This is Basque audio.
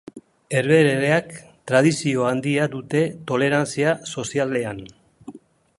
Herbehereek tradizio handia dute tolerantzia sozialean.